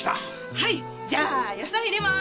はいじゃあ野菜入れます！